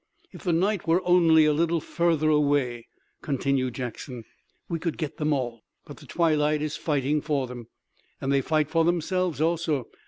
"If the night were only a little further away," continued Jackson, "we could get them all! But the twilight is fighting for them! And they fight for themselves also!